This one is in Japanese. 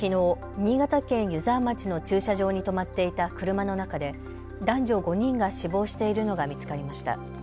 新潟県湯沢町の駐車場に止まっていた車の中で男女５人が死亡しているのが見つかりました。